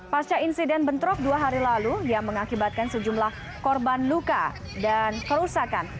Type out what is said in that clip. pasca insiden bentrok dua hari lalu yang mengakibatkan sejumlah korban luka dan kerusakan